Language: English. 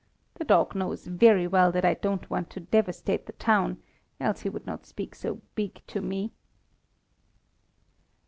The dog knows very well that I don't want to devastate the town, else he would not speak so big to me."